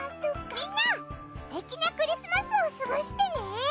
みんなすてきなクリスマスを過ごしてね。